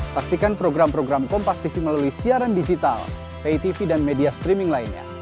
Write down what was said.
saksikan program program kompastv melalui siaran digital pitv dan media streaming lainnya